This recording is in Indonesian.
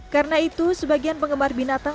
karena itu sebagian penggemar binatang